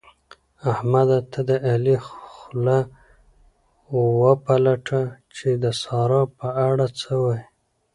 احمده! ته د علي خوله وپلټه چې د سارا په اړه څه وايي؟